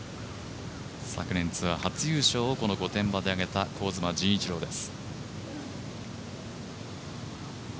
昨年ツアー初優勝を御殿場で挙げた香妻陣一朗です。